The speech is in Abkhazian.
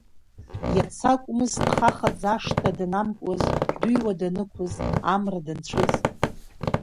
Иац акәмыз, дхахаӡа, ашҭа данамкуаз, дыҩуа данықәыз, амра данцәыз.